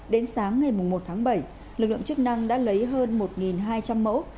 đến sáng ngày một tháng bảy lực lượng chức năng đã lấy hơn một hai trăm linh mẫu